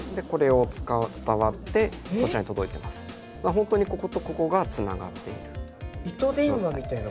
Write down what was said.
本当にこことここがつながっている。